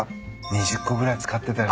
２０個ぐらい使ってたり。